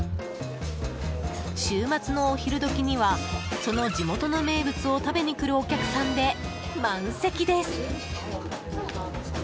週末のお昼時にはその地元の名物を食べにくるお客さんで満席です。